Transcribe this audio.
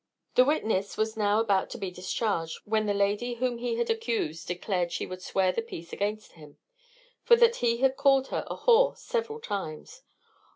The witness was now about to be discharged, when the lady whom he had accused declared she would swear the peace against him, for that he had called her a whore several times.